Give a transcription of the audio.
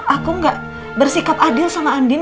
aku gak bersikap adil sama andin